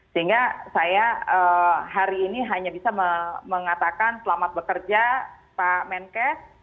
sehingga saya hari ini hanya bisa mengatakan selamat bekerja pak menkes